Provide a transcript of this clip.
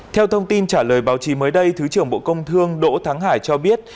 theo thông tin trả lời báo chí mới đây thứ trưởng bộ công thương đỗ thắng hải cho biết